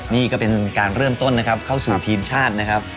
นี่ก็เป็นการเริ่มต้นนะครับเข้าสู่ทีมชาตินะครับ